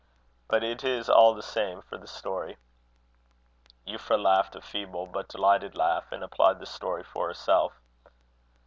But it is all the same for the story." Euphra laughed a feeble but delighted laugh, and applied the story for herself.